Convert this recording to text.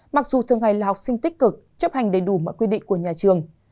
mặc dù thường ngày là học sinh tích cực chấp hành đầy đủ mọi quy định của nhà trường